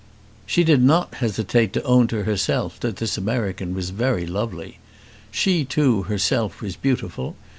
She did not hesitate to own to herself that this American was very lovely. She too, herself, was beautiful.